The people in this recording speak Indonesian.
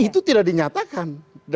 itu tidak dinyatakan